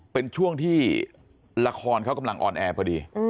เป็นช่วงที่ละครเขากำลังออนแอร์พอดี